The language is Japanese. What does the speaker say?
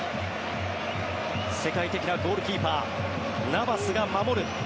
世界的なゴールキーパーナバスが守る